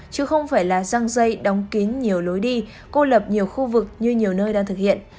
chứ không phải là răng dây đóng kín nhiều lối đi cô lập nhiều khu vực như nhiều nơi đang thực hiện